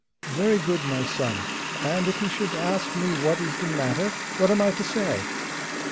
'Very good, my son; and if he should ask me what is the matter, what am I to say?